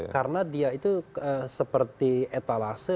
karena dia itu seperti etalase